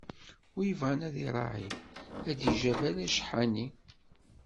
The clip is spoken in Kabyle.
Win ibɣan ad iraɛ, ad d-ijab ala ccḥani.